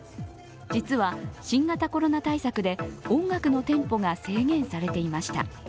実は、新型コロナ対策で音楽のテンポが制限されていました。